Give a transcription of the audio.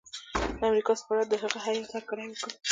د امریکا سفارت د هغه هیات هرکلی وکړ.